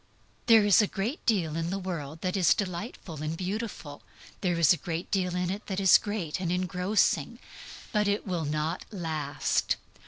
There is a great deal in the world that is delightful and beautiful; there is a great deal in it that is great and engrossing; but IT WILL NOT LAST.